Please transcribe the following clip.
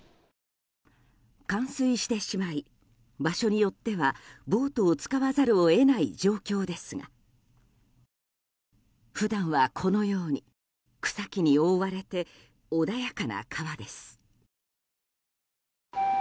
冠水してしまい場所によってはボートを使わざるを得ない状況ですが普段はこのように草木に覆われて穏やかな川です。